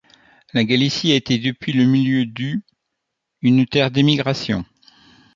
La Galicie a été depuis le milieu du une terre d’émigration.